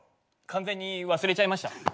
完全に忘れちゃいました。